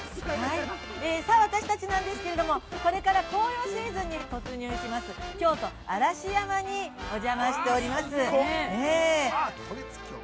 ◆さあ、私たちなんですけれども、これから紅葉シーズンに突入します、京都嵐山にお邪魔しております。